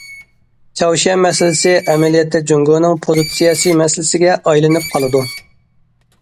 چاۋشيەن مەسىلىسى ئەمەلىيەتتە جۇڭگونىڭ پوزىتسىيەسى مەسىلىسىگە ئايلىنىپ قالىدۇ.